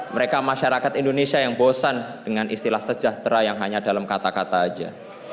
mereka masyarakat indonesia yang bosan dengan istilah sejahtera yang hanya dalam kata kata saja